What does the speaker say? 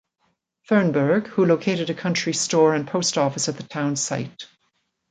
Furnberg, who located a country store and post office at the town site.